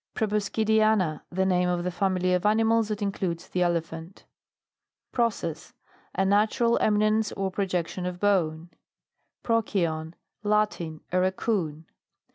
PROBOSCIDIANA. The name of the family of animals that includes the elephant. PROCESS. A natural eminence or pro jection of bone. PROCYON. Latin. A rackoon.